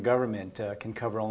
dapat mencapai sekitar satu peratus